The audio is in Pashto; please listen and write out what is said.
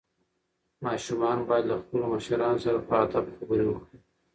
ماشومان باید له خپلو مشرانو سره په ادب خبرې وکړي.